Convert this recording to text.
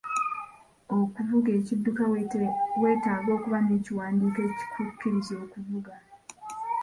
Okuvuga ekidduka, weetaaga okuba n'ekiwandiiko ekikukkiriza okuvuga.